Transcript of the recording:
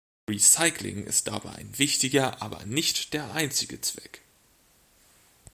Recycling ist dabei ein wichtiger aber nicht der einzige Zweck.